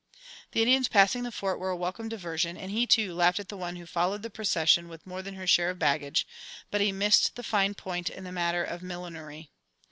The Indians passing the Fort were a welcome diversion, and he, too, laughed at the one who followed the procession with more than her share of baggage, but he missed the fine point in the matter of millinery.